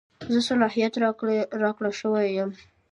زه صلاحیت راکړه شوی یم.